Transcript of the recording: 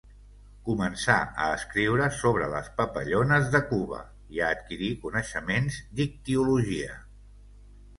Començà a escriure sobre les papallones de Cuba i a adquirir coneixements d'ictiologia.